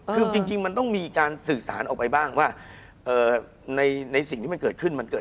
คุณผู้ชมบางท่าอาจจะไม่เข้าใจที่พิเตียร์สาร